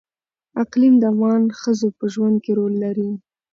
اقلیم د افغان ښځو په ژوند کې رول لري.